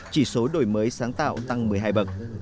chỉ số đổi mới sáng tạo tăng một mươi hai bậc